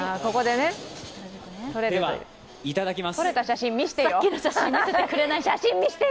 では、いただきます。